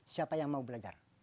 siapa yang mau belajar